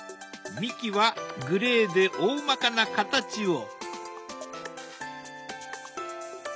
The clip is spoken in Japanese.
幹はグレーでおおまかな形を。